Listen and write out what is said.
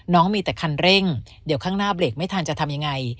น้องมีแต่คันเร่งเดี๋ยวข้างหน้าเบรกไม่ทันจะทำยังไง